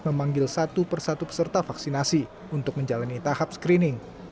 memanggil satu persatu peserta vaksinasi untuk menjalani tahap screening